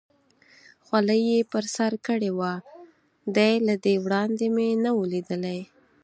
خولۍ یې پر سر کړې وه، دی له دې وړاندې مې نه و لیدلی.